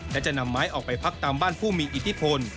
และจะนำไม้ออกไปพักตามบ้านผู้มีอิทธิพล